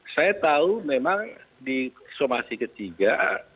saya tahu memang di somasi ketiga